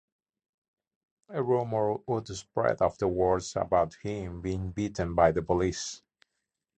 A rumor would spread afterwards about him being beaten by the police.